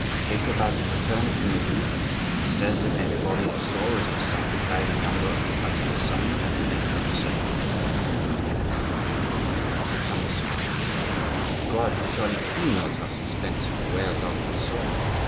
"Jacob has returned from the Louvre; he says that everybody he saw was excited about the number of the councillors summoned and the length of the session. What can have happened? Is it some misfortune? Good God! surely he knows how suspense wears out the soul!